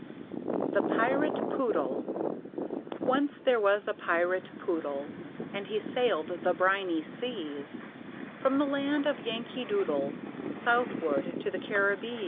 The Pirate Poodle Once there was a Pirate Poodle, And he sailed the briny seas From the land of Yankee Doodle Southward to the Caribbees.